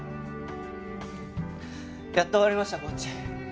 やっと終わりましたコーチ。